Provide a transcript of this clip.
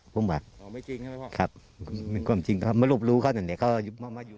ครับไม่ความจริงครับมารบหลู่เขาจนเดียว